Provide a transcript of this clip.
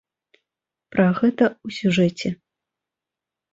Пра гэта ў сюжэце.